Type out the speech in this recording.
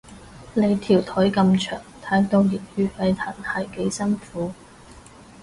你條腿咁長，睇到熱血沸騰係幾辛苦